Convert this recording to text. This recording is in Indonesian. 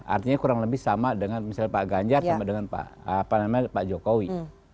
artinya kurang lebih sama dengan misalnya pak ganjar sama dengan pak jokowi